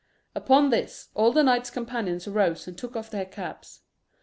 Upon this, all the knights companions arose and took off their caps.